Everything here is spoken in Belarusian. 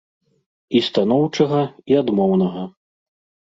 І станоўчага, і адмоўнага.